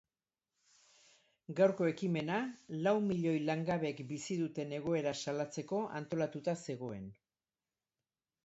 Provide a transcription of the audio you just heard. Gaurko ekimena lau milioi langabek bizi duten egoera salatzeko antolatuta zegoen.